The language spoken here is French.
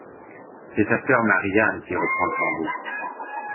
C'est sa sœur Marie-Anne qui reprend le flambeau.